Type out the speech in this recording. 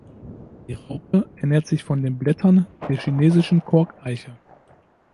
Die Raupe ernährt sich von den Blättern der Chinesischen Korkeiche.